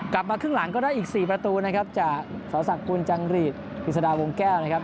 กลับมาครึ่งหลังก็ได้อีก๔ประตูนะครับจากสศักดิ์กุลจังหรีดกิจสดาวงแก้วนะครับ